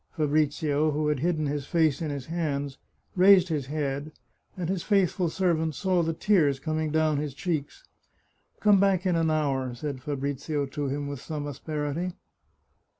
Fabrizio, who had hidden his face in his hands, raised his head, and his faithful servant saw the tears coursing down his cheeks. " Come back in an hour," said Fabrizio to him with some asperity.